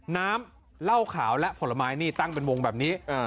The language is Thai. น้ำเหล้าขาวและผลไม้นี่ตั้งเป็นวงแบบนี้